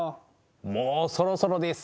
もうそろそろです。